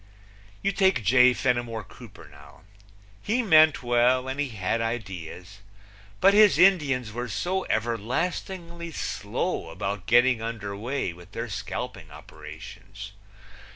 You take J. Fenimore Cooper now. He meant well and he had ideas, but his Indians were so everlastingly slow about getting under way with their scalping operations!